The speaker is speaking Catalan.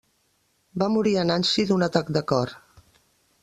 Va morir a Nancy d'un atac de cor.